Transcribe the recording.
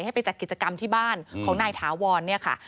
ไปจัดกิจกรรมที่บ้านของนายถาวรเนี่ยค่ะ